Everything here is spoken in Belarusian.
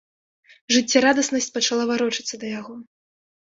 Жыццярадаснасць пачала варочацца да яго.